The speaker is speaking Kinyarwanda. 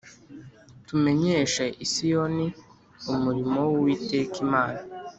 tumenyeshe i Siyoni umurimo w’Uwiteka Imana